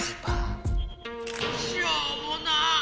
しょうもな！